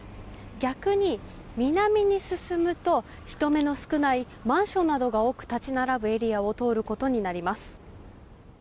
逆に、南に進むと人目の少ないマンションなどが多く立ち並ぶエリアを通ることになります。